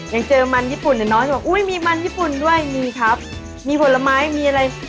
ยังเจอมันญี่ปุ่นอย่างน้อยก็บอกอุ้ยมีมันญี่ปุ่นด้วยมีครับมีผลไม้มีอะไร